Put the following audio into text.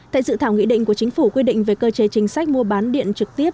tại dự thảo nghị định của chính phủ quy định về cơ chế chính sách mua bán điện trực tiếp